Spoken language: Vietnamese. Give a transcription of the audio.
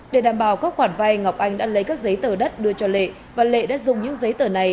để đảm bảo các khoản vay ngọc anh đã lấy các giấy tờ đất đưa cho lệ và lệ đã dùng những giấy tờ này